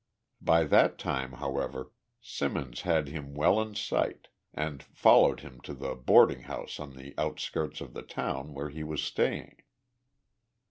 By that time, however, Simmons had him well in sight and followed him to the boarding house on the outskirts of the town where he was staying.